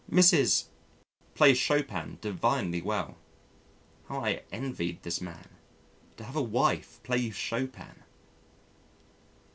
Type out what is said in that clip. Mrs. plays Chopin divinely well. How I envied this man to have a wife play you Chopin!